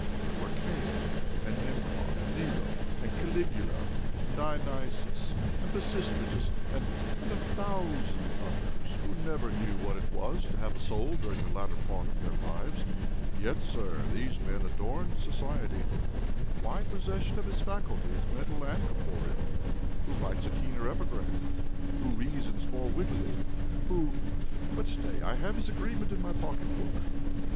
There were Cain and Nimrod, and Nero, and Caligula, and Dionysius, and Pisistratus, and—and a thousand others, who never knew what it was to have a soul during the latter part of their lives; yet, sir, these men adorned society. Why isn't there A——, now, who you know as well as I? Is he not in possession of his faculties, mental and corporeal? Who writes a keener epigram? Who reasons more wittily? Who—but stay! I have his agreement in my pocket book."